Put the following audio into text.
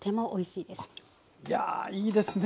いやいいですね。